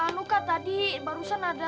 anu kak tadi barusan ada